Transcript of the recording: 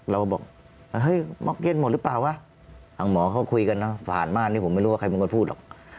เราบอกเฮ้ยเมื่อกี้หมดหรือเปล่าวะทางหมอเขาคุยกันนะผ่านม่านนี่ผมไม่รู้ว่าใครเป็นคนพูดหรอก